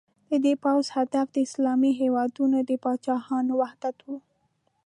د دې پوځ هدف د اسلامي هېوادونو د پاچاهانو وحدت و.